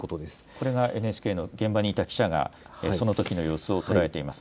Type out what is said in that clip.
これがＮＨＫの現場にいた記者がそのときの様子を捉えています。